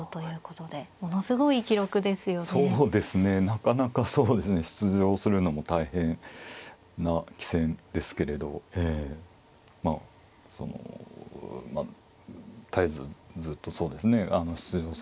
なかなかそうですね出場するのも大変な棋戦ですけれどまあその絶えずずっとそうですね出場されてるということで。